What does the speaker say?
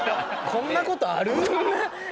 こんなことある？